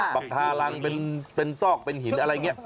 บับทารังเป็นซอกเป็นหินอะไรเงี้ย